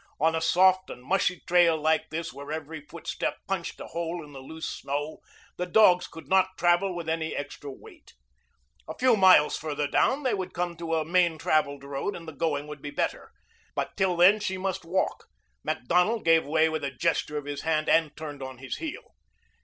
On a soft and mushy trail like this, where every footstep punched a hole in the loose snow, the dogs could not travel with any extra weight. A few miles farther down they would come to a main traveled road and the going would be better. But till then she must walk. Macdonald gave way with a gesture of his hand and turned on his heel.